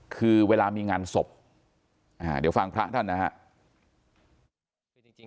คือเวลามีงานศพเดี๋ยวฟังพระท่านนะฮะ